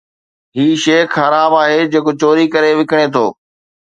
هي شيخ حرام آهي جيڪو چوري ڪري وڪڻي ٿو